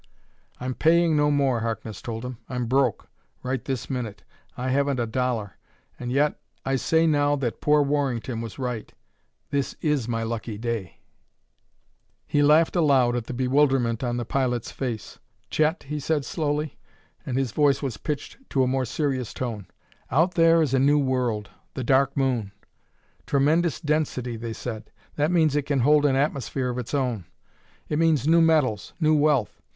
"I'm paying no more," Harkness told him. "I'm broke, right this minute. I haven't a dollar and yet I say now that poor Warrington was right: this is my lucky day." He laughed aloud at the bewilderment on the pilot's face. "Chet," he said slowly, and his voice was pitched to a more serious tone, "out there is a new world, the Dark Moon. 'Tremendous density,' they said. That means it can hold an atmosphere of its own. It means new metals, new wealth.